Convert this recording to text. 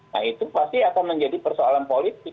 nah itu pasti akan menjadi persoalan politik